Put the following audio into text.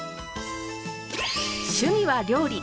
趣味は料理。